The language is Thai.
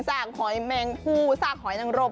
กหอยแมงคู่ซากหอยนังรม